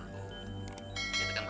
ini kan belum tahu sebenarnya